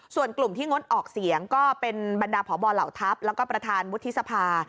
ส่วนกลุ่มที่งดออกเสียงก็เป็นบรรดาพบเหล่าทัพแล้วก็ประธานวุฒิสภา